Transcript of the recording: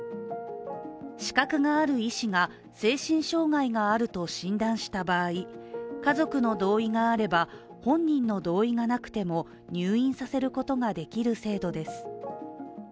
資格がある医師が、精神障害を持つと診断した場合家族の同意があれば、本人の同意がなくても入院させることができる制度です。